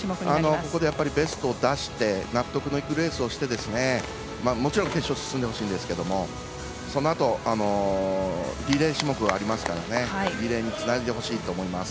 ここでベストを出して納得のいくレースをしてもちろん決勝に進んでほしいんですけどもそのあとリレー種目がありますからリレーにつないでほしいと思います。